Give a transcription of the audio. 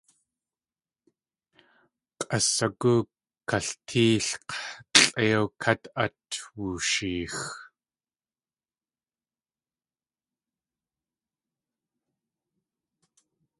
K̲ʼasigóo kaltéelk̲ lʼéiw kát át wusheex.